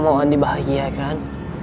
mama mau andi bahagia kan